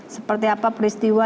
seperti apa peristiwa